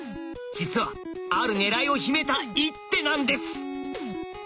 実はある狙いを秘めた一手なんです。